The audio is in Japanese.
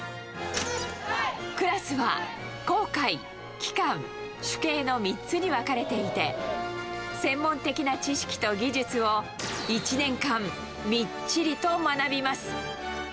クラスは航海、機関、主計の３つに分かれていて、専門的な知識と技術を１年間、みっちりと学びます。